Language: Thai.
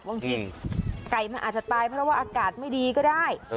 บางทีไก่มันอาจจะตายเพราะว่าอากาศไม่ดีก็ได้